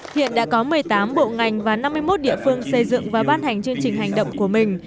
hiện đã có một mươi tám bộ ngành và năm mươi một địa phương xây dựng và ban hành chương trình hành động của mình